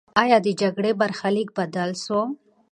آیا د جګړې برخلیک بدل سو؟